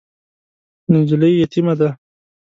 نجلۍ یتیمه ده .